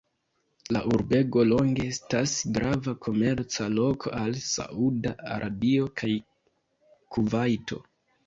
La urbego longe estas grava komerca loko al Sauda Arabio kaj Kuvajto.